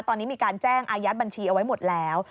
ตอนนี้มีการแจ้งอายัดบัญชีเอาไว้หมดแล้ว